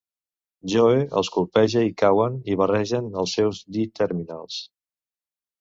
Joe els colpeja i cauen i barregen els seus D-Terminals.